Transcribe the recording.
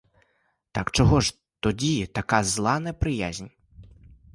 Так чого ж тоді така зла неприязнь.